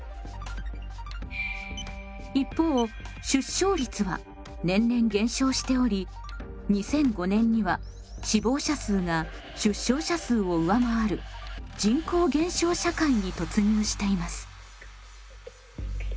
一方出生率は年々減少しており２００５年には死亡者数が出生者数を上回る人口減少社会に突入しています。